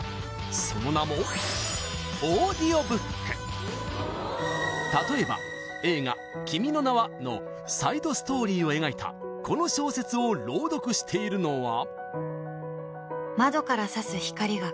その名も例えば映画「君の名は。」のサイドストーリーを描いたこの小説を朗読しているのは？